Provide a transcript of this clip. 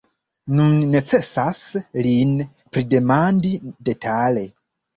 Nun necesas lin pridemandi detale.